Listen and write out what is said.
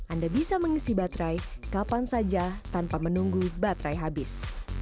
anda bisa mengisi baterai kapan saja tanpa menunggu baterai habis